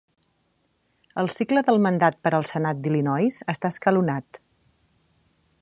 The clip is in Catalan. El cicle del mandat per al Senat d'Illinois està escalonat.